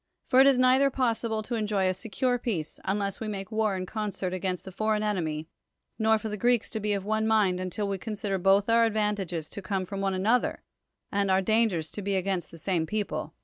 For it is neither possible to enjoy a secure peace, unless we make war in con cert against the foreign enemy, nor for thr Greeks to be of one mind until we consider both our advantages to come from one another, and our dangers to be against the same people.